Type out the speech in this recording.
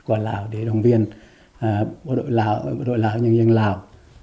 qua lào để đồng viên bộ đội lào bộ đội lào nhân dân lào